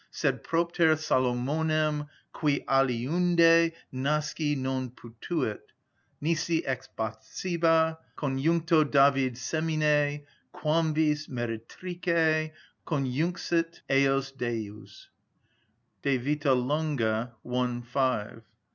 sed propter Salomonem_, QUI ALIUNDE NASCI NON POTUIT, nisi ex Bathseba, conjuncto David semine, quamvis meretrice, conjunxit eos Deus" (De vita longa, i. 5).